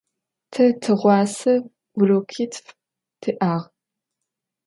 Te tığuase vurokitf ti'ağ.